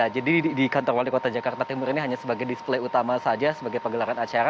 jadi di kantor wali kota jakarta timur ini hanya sebagai display utama saja sebagai penggelaran acara